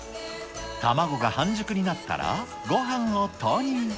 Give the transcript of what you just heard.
卵が半熟になったら、ごはんを投入。